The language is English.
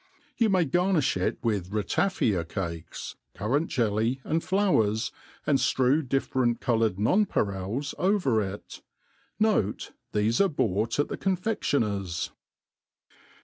You may garnifh it with rata^ iia cakes, currant jelly, and flowers, and drew different co loured nonpareils over it. Note, thefe are bought at the ton^ fcdioners.